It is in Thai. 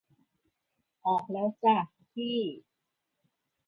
ออกแล้วจ้ะ ที่